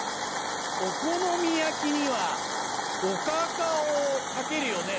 お好み焼きにはおかかをかけるよね？